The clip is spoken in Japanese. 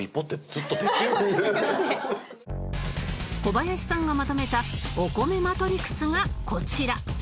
小林さんがまとめたお米マトリクスがこちら